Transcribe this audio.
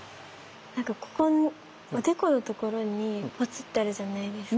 なんかここのおでこのところにポツってあるじゃないですか。